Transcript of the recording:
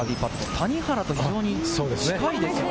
谷原と非常に近いですね。